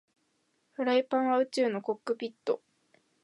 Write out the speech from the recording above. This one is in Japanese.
フライパンは宇宙のコックピット